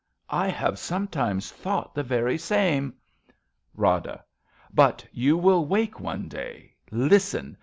I have sometimes thought The very same. Rada. But you will wake one day. Listen